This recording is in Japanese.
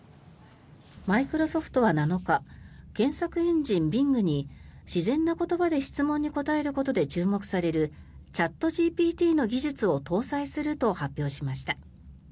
マイクロソフトは７日検索エンジン、Ｂｉｎｇに自然な言葉で質問に答えることで注目されるチャットＧＰＴの技術を搭載すると発表しました。